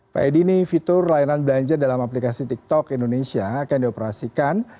pak edy ini fitur layanan belanja dalam aplikasi tiktok indonesia akan dioperasikan